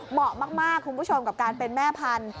เหมาะมากคุณผู้ชมกับการเป็นแม่พันธุ